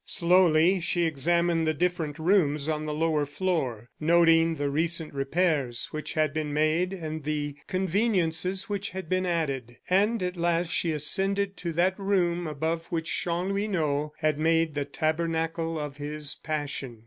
Slowly she examined the different rooms on the lower floor, noting the recent repairs which had been made and the conveniences which had been added, and at last she ascended to that room above which Chanlouineau had made the tabernacle of his passion.